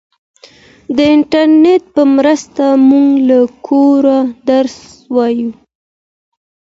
د انټرنیټ په مرسته موږ له کوره درس وایو.